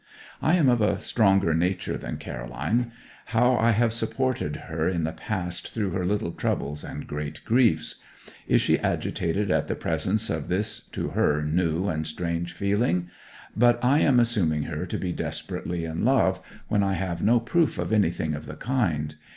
I am of a stronger nature than Caroline. How I have supported her in the past through her little troubles and great griefs! Is she agitated at the presence of this, to her, new and strange feeling? But I am assuming her to be desperately in love, when I have no proof of anything of the kind.